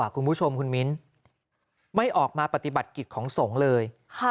คุณผู้ชมคุณมิ้นไม่ออกมาปฏิบัติกิจของสงฆ์เลย